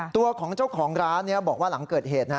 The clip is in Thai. ตัวของเจ้าของร้านบอกว่าหลังเกิดเหตุ